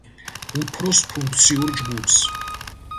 უფროს ფუნქციურ ჯგუფს.